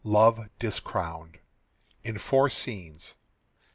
LOVE DISCROWNED. (_In Four Scenes.